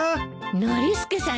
ノリスケさん